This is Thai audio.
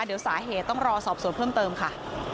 เดี๋ยวสาเหตุต้องรอสอบสวนเพิ่มเติมค่ะ